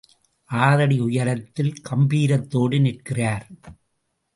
ஆறடி உயரத்தில் கம்பீரத்தோடு நிற்கிறார்.